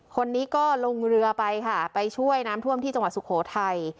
คนนี้ก็ลงเรือไปค่ะไปช่วยน้ำท่วมที่จังหวัดสุโขทัย